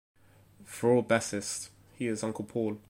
For all bassists he is Uncle Paul.